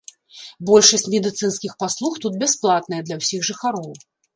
Большасць медыцынскіх паслуг тут бясплатная для ўсіх жыхароў.